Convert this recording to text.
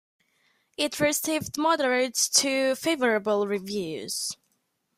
It received moderate to favorable reviews.